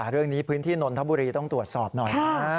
เรื่องนี้พื้นที่นนทบุรีต้องตรวจสอบหน่อยนะ